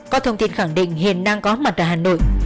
có thông tin khẳng định hiền đang có mặt tại hà nội